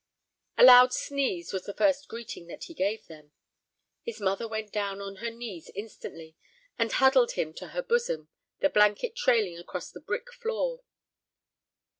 A loud sneeze was the first greeting that he gave them. His mother went down on her knees instantly and huddled him to her bosom, the blanket trailing across the brick floor.